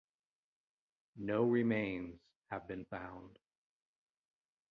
No remains have been found.